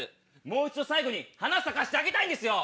もう一度最後に花咲かせてあげたいんですよ！